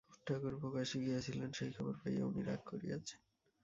ঠাকুরপো কাশী গিয়াছিলেন, সেই খবর পাইয়া উনি রাগ করিয়াছেন।